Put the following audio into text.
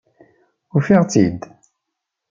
Ufiɣ-tt-id.